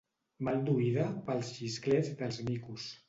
Mal d'oïda pels xisclets dels micos.